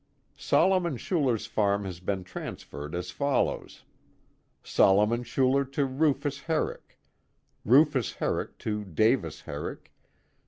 Solomon Schuler's farm has been transferred as follows: Solomon Schuler to Rufus Herrick. Rufus Hertick to Davis Herrick.